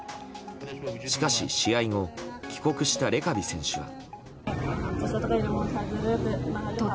しかし、試合後帰国したレカビ選手は。